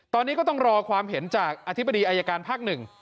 ตอนนี้ก็ต้องรอความเห็นจากอธิบดีอายการภาคหนึ่ง